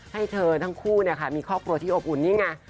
ให้เธอทั้งคู่มีครอบครัวที่อบอุ่นนี่ไง